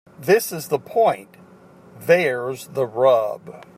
This is the point. There's the rub.